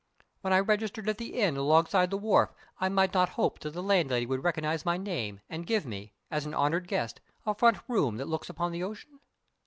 When I registered at the inn alongside the wharf might I not hope that the landlady would recognize my name and give me, as an honored guest, a front room that looks upon the ocean?